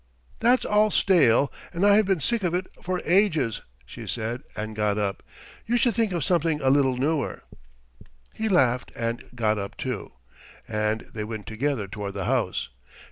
"That's all stale, and I have been sick of it for ages," she said and got up. "You should think of something a little newer." He laughed and got up too, and they went together toward the house.